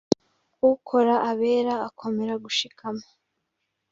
Ukora abera akomera gushikama